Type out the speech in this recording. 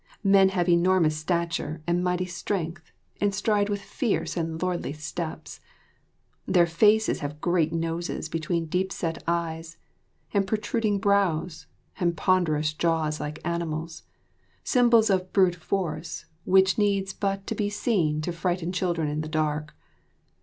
Men have enormous stature and mighty strength, and stride with fierce and lordly steps. Their faces have great noses between deep set eyes, and protruding brows, and ponderous jaws like animals symbols of brute force which needs but to be seen to frighten children in the dark.